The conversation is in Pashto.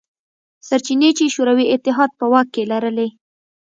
سرچینې چې شوروي اتحاد په واک کې لرلې.